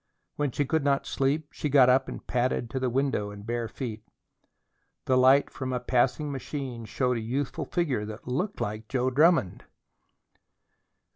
When she could not sleep, she got up and padded to the window in bare feet. The light from a passing machine showed a youthful figure that looked like Joe Drummond.